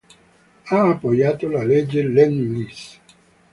Ha appoggiato la legge Lend-Lease.